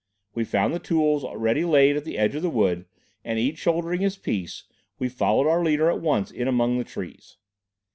We found the tools ready laid at the edge of the wood, and each shouldering his piece, we followed our leader at once in among the trees.